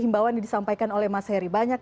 himbawan yang disampaikan oleh mas heri banyak